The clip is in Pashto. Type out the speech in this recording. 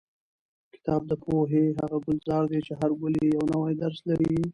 کتاب د پوهې هغه ګلزار دی چې هر ګل یې یو نوی درس لري.